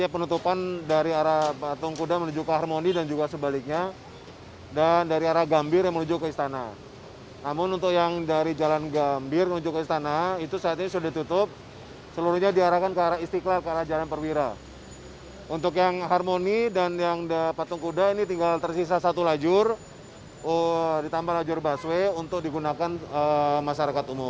peserta aksi yang berasal dari persaudaraan alumni dua ratus dua belas menentang pernyataan presiden perancis emmanuel macron yang dinilai mengkhina islam